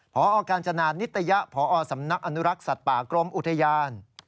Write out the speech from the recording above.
พอกาญจนานนิตยะพอสำนักอนุรักษ์สัตว์ป่ากรมอุทยาน